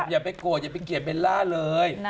อย่าไปโกรธอย่าไปเกลียดเบลล่าเลย